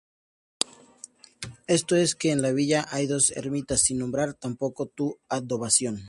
Esto es, que en la villa hay dos ermitas, sin nombrar tampoco su advocación.